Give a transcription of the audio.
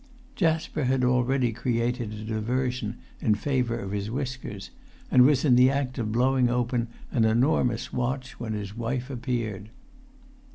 Jasper had already created a diversion in favour of his whiskers, and was in the act of blowing open an enormous watch when his wife appeared.